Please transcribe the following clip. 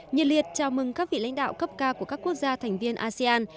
nhiệt liệt chào mừng các vị lãnh đạo cấp cao của các quốc gia thành viên asean